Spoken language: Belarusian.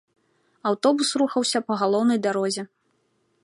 Аўтобус рухаўся па галоўнай дарозе.